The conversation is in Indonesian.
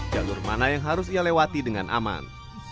jalur mana yang harus ia lewati dengan aman